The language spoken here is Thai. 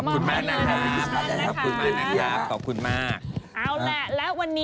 ขอบคุณมาก